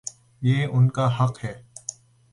یہ ان کا حق ہے۔